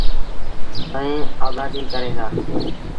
ائيٚݩ آبآديٚ ڪريݩ دآ۔